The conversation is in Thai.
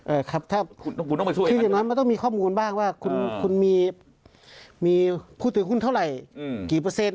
เออครับถ้าคุณอย่างน้อยมันต้องมีข้อมูลบ้างว่าคุณมีผู้ถือขุนเท่าไหร่กี่เปอร์เซ็นต์